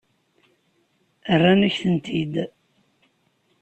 Rran-ak-tent-id.